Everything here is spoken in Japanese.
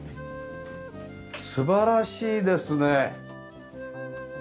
素晴らしいですね。